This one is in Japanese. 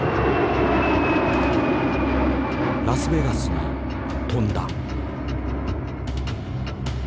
ラスベガスに飛んだ。